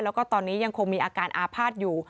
แล้วก็ตอนนี้ยังคงมีอาการอาภาษณ์อยู่